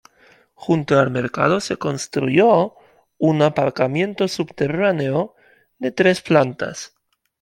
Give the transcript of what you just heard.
Junto al mercado se construyó un aparcamiento subterráneo de tres plantas.